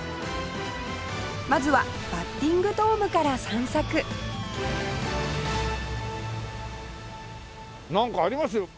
まずはバッティングドームから散策なんかありますよ。